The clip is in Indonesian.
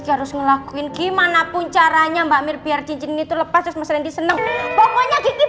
harus ngelakuin gimanapun caranya mbak mir biar cincin itu lepas mas rendy seneng pokoknya kiki